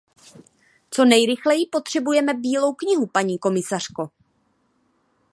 Co nejrychleji potřebujeme bílou knihu, paní komisařko.